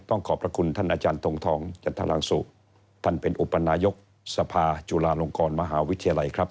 ขอบพระคุณท่านอาจารย์ทงทองจันทรังสุท่านเป็นอุปนายกสภาจุฬาลงกรมหาวิทยาลัยครับ